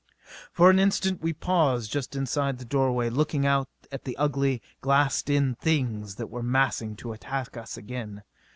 For an instant we paused just inside the doorway, looking out at the ugly, glassed in Things that were massing to attack us again.